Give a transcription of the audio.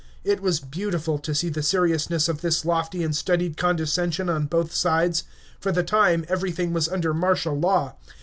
It was beautiful to see the seriousness of this lofty and studied condescension on both sides. For the time everything was under martial law.